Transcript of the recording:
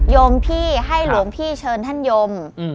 ยมพี่ให้หลวงพี่เชิญท่านยม